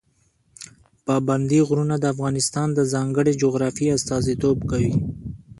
پابندي غرونه د افغانستان د ځانګړې جغرافیې استازیتوب کوي.